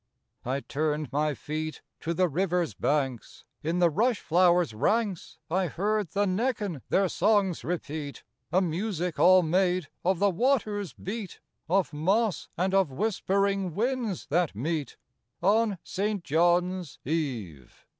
I turned my feet To the river's banks: in the rush flowers' ranks I heard the Necken their songs repeat: A music all made of the water's beat, Of moss and of whispering winds that meet, On St. John's Eve.